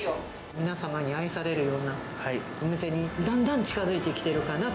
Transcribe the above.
皆様に愛されるようなお店に、だんだん近づいてきてるかなと。